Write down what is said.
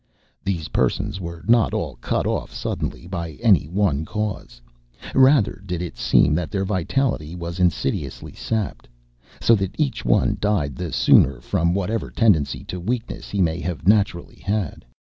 These persons were not all cut off suddenly by any one cause; rather did it seem that their vitality was insidiously sapped, so that each one died the sooner from whatever tendency to weakness he may have naturally had.